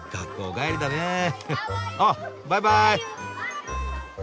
あっバイバーイ。